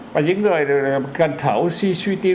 và những người cần thở oxy suy tim